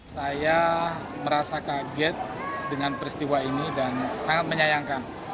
saya merasa kaget dengan peristiwa ini dan sangat menyayangkan